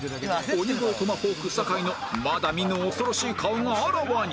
鬼越トマホーク坂井のまだ見ぬ恐ろしい顔があらわに